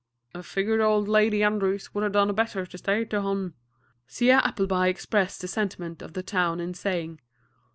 "I figure Ol' Lady Andrews would 'a' done better to stay to hum," 'Siah Appleby expressed the sentiment of the town in saying.